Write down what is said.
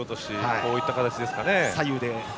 こういった形ですかね。